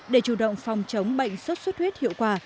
để chủ động phòng chống bệnh sốt xuất huyết hiệu quả